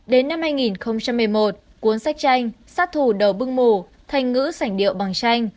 đến năm hai nghìn một mươi một cuốn sách tranh sát thủ đầu bưng mù thành ngữ sảnh điệu bằng tranh